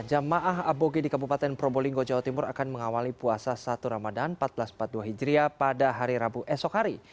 jamaah aboge di kabupaten probolinggo jawa timur akan mengawali puasa satu ramadan seribu empat ratus empat puluh dua hijriah pada hari rabu esok hari